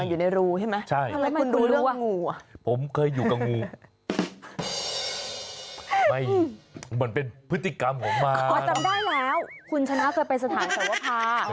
อยู่ในรูใช่ไหมทำไมคุณรู้ว่า